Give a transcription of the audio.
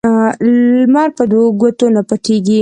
لمرپه دوو ګوتو نه پټيږي